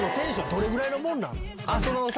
どれぐらいのもんなんすか？